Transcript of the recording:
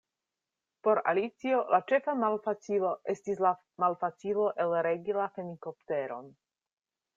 Por Alicio la ĉefa malfacilo estis la malfacilo elregi la fenikopteron.